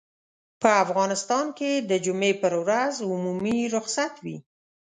په افغانستان کې د جمعې پر ورځ عمومي رخصت وي.